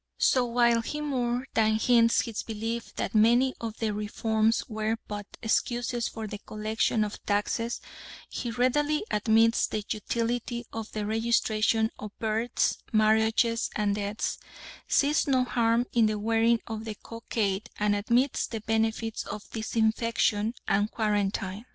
So while he more than hints his belief that many of the "reforms" were but excuses for the collection of taxes, he readily admits the utility of the registration of births, marriages, and deaths, sees no harm in the wearing of the cockade, and admits the benefits of disinfection and quarantine.